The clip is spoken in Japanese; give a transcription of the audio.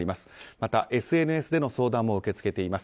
また、ＳＮＳでの相談も受け付けています。